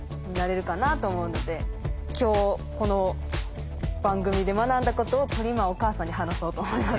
今日この番組で学んだことをとりまお母さんに話そうと思います。